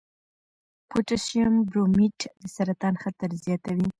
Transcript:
پوټاشیم برومیټ د سرطان خطر زیاتوي.